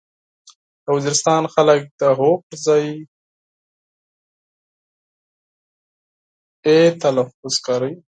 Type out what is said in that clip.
د وزيرستان خلک د هو پرځای د ژې لفظ کاروي.